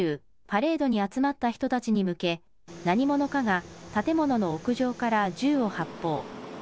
パレードに集まった人たちに向け、何者かが建物の屋上から銃を発砲。